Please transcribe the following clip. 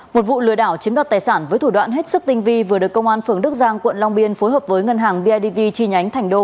một vụ lừa đảo chiếm đoạt tài sản với thủ đoạn hết sức tinh vi vừa được công an phường đức giang quận long biên phối hợp với ngân hàng bidv chi nhánh thành đô